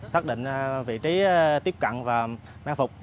xác định vị trí tiếp cận và mặc phục